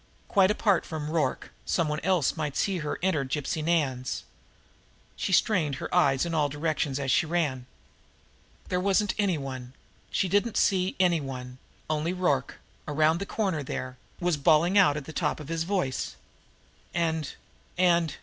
Quite apart from Rorke, some one else might see her enter Gypsy Nan's! She strained her eyes in all directions as she ran. There wasn't any one she didn't see any one only Rorke, around the corner there, was bawling out at the top of his voice, and and...